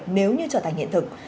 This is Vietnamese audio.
nếu như trở thành hiện thực